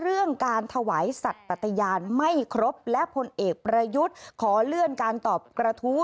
เรื่องการถวายสัตว์ปฏิญาณไม่ครบและพลเอกประยุทธ์ขอเลื่อนการตอบกระทู้